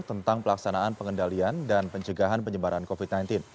tentang pelaksanaan pengendalian dan pencegahan penyebaran covid sembilan belas